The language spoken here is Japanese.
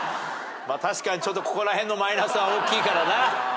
確かにここらへんのマイナスは大きいからな。